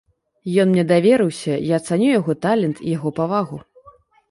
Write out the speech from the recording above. Ён мне даверыўся, я цаню яго талент і яго павагу.